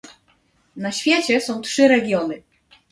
Na świecie są trzy regiony